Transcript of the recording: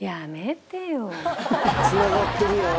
つながってるやん。